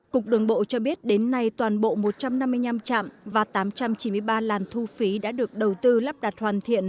cục đường bộ cho biết đến nay toàn bộ một trăm năm mươi năm trạm và tám trăm chín mươi ba làn thu phí đã được đầu tư lắp đặt hoàn thiện